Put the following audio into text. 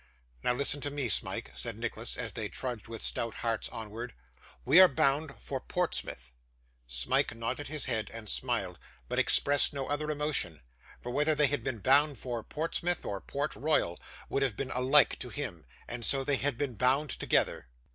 'Now listen to me, Smike,' said Nicholas, as they trudged with stout hearts onwards. 'We are bound for Portsmouth.' Smike nodded his head and smiled, but expressed no other emotion; for whether they had been bound for Portsmouth or Port Royal would have been alike to him, so they had been bound together.